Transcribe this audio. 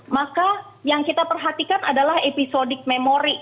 maka yang kita perhatikan adalah episodik memori